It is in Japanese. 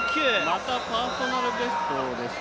またパーソナルベストですか。